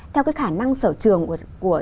theo cái khả năng sở trường của